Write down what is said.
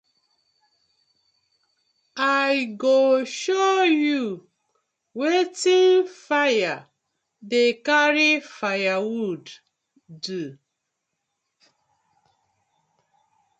I go show yu wetin fire dey karry firewood do.